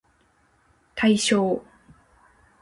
対象